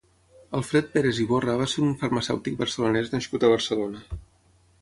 Alfred Pérez-Iborra va ser un farmacèutic barcelonès nascut a Barcelona.